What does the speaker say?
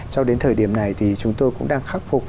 cho đến thời điểm này thì chúng tôi cũng đang khắc phục